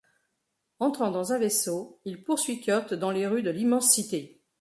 Entrant dans un vaisseau, il poursuit Kurt dans les rues de l'immense cité.